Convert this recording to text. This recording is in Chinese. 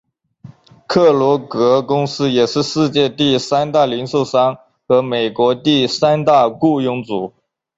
克罗格公司也是世界第三大零售商和美国第三大雇佣主。